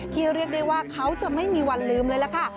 เรียกได้ว่าเขาจะไม่มีวันลืมเลยล่ะค่ะ